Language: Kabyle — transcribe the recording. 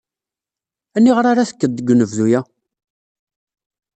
Aniɣer ara tekkeḍ deg unebdu-a?